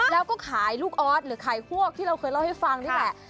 แล้วก็ขายลูกออสหรือขายพวกที่เราเคยเล่าให้ฟังนี่แหละ